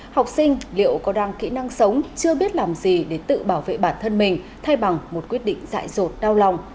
học sinh liệu có đăng kỹ năng sống chưa biết làm gì để tự bảo vệ bản thân mình thay bằng một quyết định dại rột đau lòng